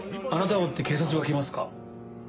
あなたを追って警察が来ますか？